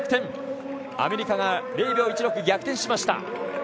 アメリカが０秒１６逆転しました。